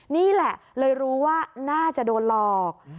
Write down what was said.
นี่แหละเลยรู้ว่าน่าจะโดนหลอก